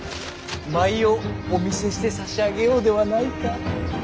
舞をお見せしてさしあげようではないか。